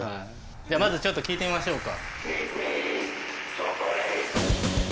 じゃあまずちょっと聴いてみましょうか？